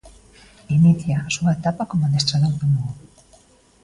Inicia a súa etapa como adestrador do Lugo.